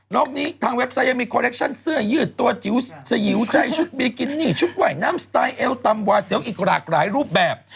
อกนี้ทางเว็บไซต์ยังมีคอเล็กชั่นเสื้อยืดตัวจิ๋วสยิวใช้ชุดบีกินี่ชุดว่ายน้ำสไตล์เอลตำวาเสียวอีกหลากหลายรูปแบบ